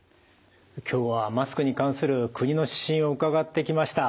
今日はマスクに関する国の指針を伺ってきました。